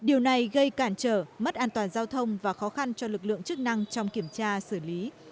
điều này gây cản trở mất an toàn giao thông và khó khăn cho lực lượng chức năng trong kiểm tra xử lý